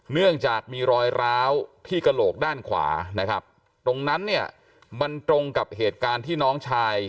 เนื่องจากมีรอยร้าวที่กระโหลกด้านขวานะครับตรงนั้นเนี่ยมันตรงกับเหตุการณ์ที่น้องชาย